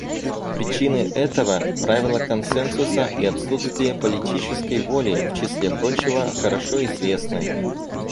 Причины этого — правило консенсуса и отсутствие политической воли, в числе прочего, — хорошо известны.